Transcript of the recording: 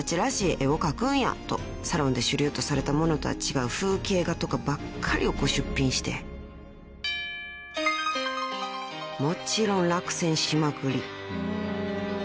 絵を描くんやとサロンで主流とされたものとは違う風景画とかばっかりを出品してもちろん落選しまくり］